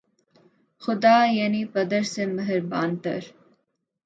خدا‘ یعنی پدر سے مہرباں تر